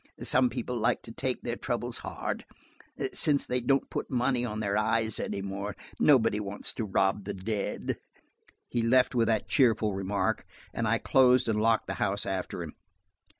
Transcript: Some people like to take their troubles hard. Since they don't put money on their eyes any more, nobody wants to rob the dead." He left with that cheerful remark, and I closed and locked the house after him.